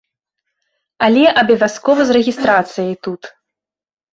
Але абавязкова з рэгістрацыяй тут.